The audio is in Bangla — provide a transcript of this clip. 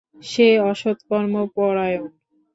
সে অসৎ কর্মপরায়ণ।